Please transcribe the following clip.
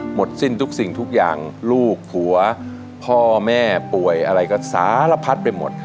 หมดสิ้นทุกสิ่งทุกอย่างลูกผัวพ่อแม่ป่วยอะไรก็สารพัดไปหมด